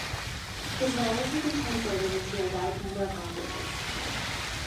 His novels have been translated into a wide number of languages.